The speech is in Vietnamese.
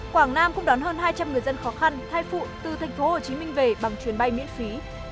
quảng nam cũng đón hơn hai trăm linh người dân khó khăn thai phụ từ tp hcm về bằng chuyến bay miễn phí